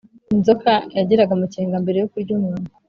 Inzoka yagiraga amakenga mbere yokurya umuntu